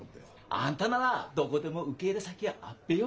あんたならどこでも受け入れ先はあっぺよ。